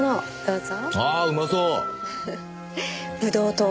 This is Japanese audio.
どうぞ。